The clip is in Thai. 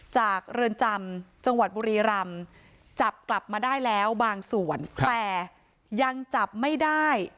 เรือนจำจังหวัดบุรีรำจับกลับมาได้แล้วบางส่วนแต่ยังจับไม่ได้